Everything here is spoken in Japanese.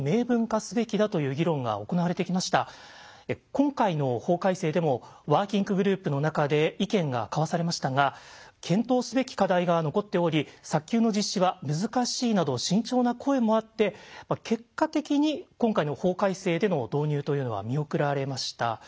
今回の法改正でもワーキンググループの中で意見が交わされましたが「検討すべき課題が残っており早急の実施は難しい」など慎重な声もあって結果的に今回の法改正での導入というのは見送られました。